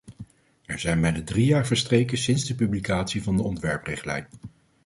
Er zijn bijna drie jaar verstreken sinds de publicatie van de ontwerprichtlijn.